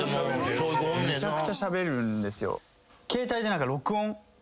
めちゃくちゃしゃべるんですよ。